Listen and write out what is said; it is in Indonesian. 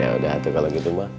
yaudah tuh kalau gitu mah